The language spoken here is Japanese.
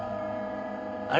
あれ？